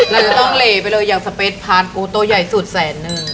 เราจะต้องเหลไปเลยอย่างสเปคพานปูตัวใหญ่สุดแสนนึง